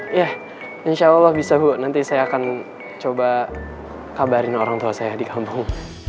iya insya allah bisa bu nanti saya akan coba kabarin orang tua saya di kampung